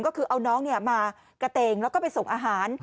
ก็คือเอาน้องมากระเตงแล้วก็ไปส่งอาหาร